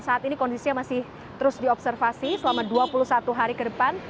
saat ini kondisinya masih terus diobservasi selama dua puluh satu hari ke depan